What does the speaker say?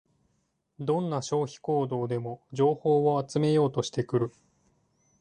どんな消費行動でも情報を集めようとしてくる